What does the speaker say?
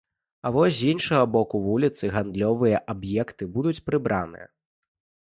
А вось з іншага боку вуліцы гандлёвыя аб'екты будуць прыбраныя.